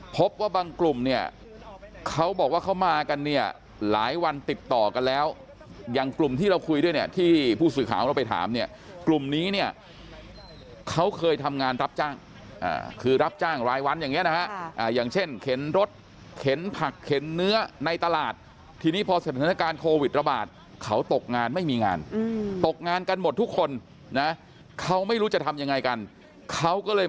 พบว่าบางกลุ่มเนี่ยเขาบอกว่าเขามากันเนี่ยหลายวันติดต่อกันแล้วอย่างกลุ่มที่เราคุยด้วยเนี่ยที่ผู้สื่อข่าวเราไปถามเนี่ยกลุ่มนี้เนี่ยเขาเคยทำงานรับจ้างคือรับจ้างรายวันอย่างนี้นะฮะอย่างเช่นเข็นรถเข็นผักเข็นเนื้อในตลาดทีนี้พอสถานการณ์โควิดระบาดเขาตกงานไม่มีงานตกงานกันหมดทุกคนนะเขาไม่รู้จะทำยังไงกันเขาก็เลย